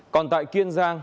còn tại kiên giang